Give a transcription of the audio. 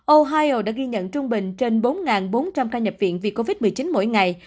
ohio đã ghi nhận trung bình trên bốn bốn trăm linh ca nhập viện vì covid một mươi chín mỗi ngày